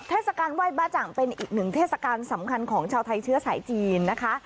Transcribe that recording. เทศกาลไหว้บ้าจังเป็นอีกหนึ่งเทศกาลสำคัญของชาวไทยเชื้อสายจีนนะคะ